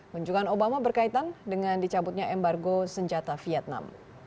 kunjungan obama berkaitan dengan dicabutnya embargo senjata vietnam